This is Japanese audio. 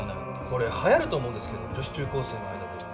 これ流行ると思うんですけど女子中高生の間で。